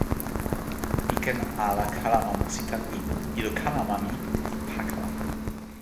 mi ken ala kalama musi tan ni: ilo kalama mi li pakala.